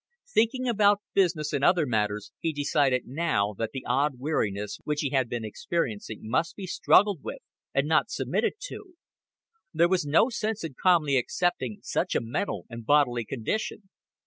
Thinking about business and other matters, he decided now that the odd weariness which he had been experiencing must be struggled with, and not submitted to. There was no sense in calmly accepting such a mental and bodily condition.